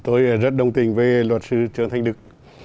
tôi rất đồng tình với luật sư trương thanh đức